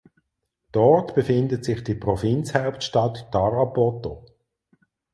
Dort befindet sich die Provinzhauptstadt Tarapoto.